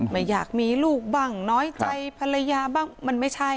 ไม่อยากมีลูกบ้างน้อยใจภรรยาบ้างมันไม่ใช่